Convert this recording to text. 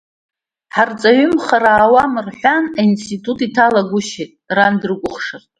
Ҳарҵаҩымхар аауам рҳәан, аинститут иҭалагәышьеит, ран дрыкәхшартә…